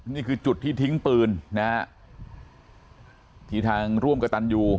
นี่คือจุดที่ทิ้งปืนนะฮะที่ทางร่วมกับตันยู